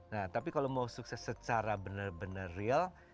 nah tapi kalau mau sukses secara benar benar real